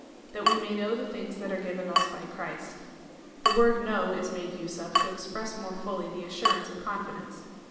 ^ That we may know the things that are given us by Christ. The word know is made use of to express more fully the assurance of confidence.